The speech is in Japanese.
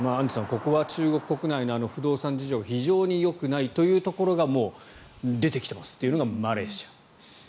ここは、中国国内の不動産事業が非常によくないというところがもう、出てきていますというのがマレーシア。